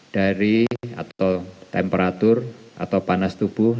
dari atau temperatur atau panas tubuh